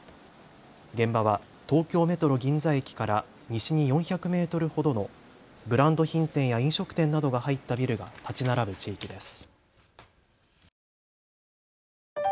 現場は東京メトロ銀座駅から西に４００メートルほどのブランド品店や飲食店などが入ったビルが建ち並ぶ地域です。